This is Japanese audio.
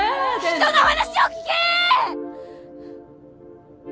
人の話を聞けーっ！